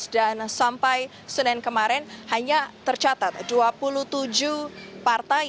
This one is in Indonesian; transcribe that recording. dan sampai senin kemarin hanya tercatat dua puluh tujuh partai